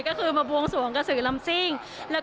ก็คือมาบวงสวงกระสือลำซิ่ง